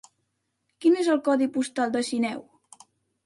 Quin és el codi postal de Sineu?